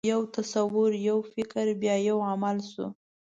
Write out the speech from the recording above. یو تصور، یو فکر، بیا یو عمل شو.